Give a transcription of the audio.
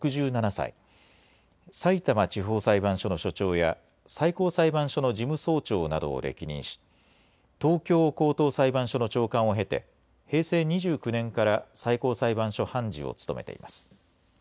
さいたま地方裁判所の所長や最高裁判所の事務総長などを歴任し東京高等裁判所の長官を経て平成２９年から最高裁判所判事を務めています。